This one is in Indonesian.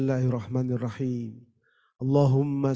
jadi kami luar dilihat